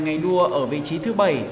ngày đua ở vị trí thứ bảy